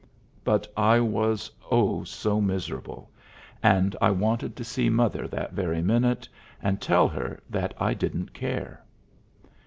But I was, oh, so miserable, and I wanted to see mother that very minute, and tell her that I didn't care.